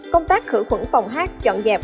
công tác khử khuẩn phòng hát chọn dẹp